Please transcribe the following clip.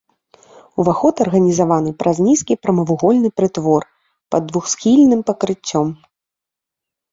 Уваход арганізаваны праз нізкі прамавугольны прытвор пад двухсхільным пакрыццём.